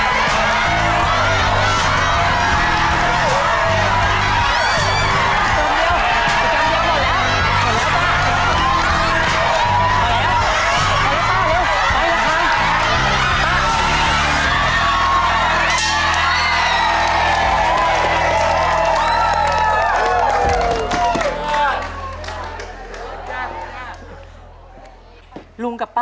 ขอบคุณครับ